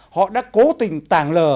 họ đã cố tình tàng lờ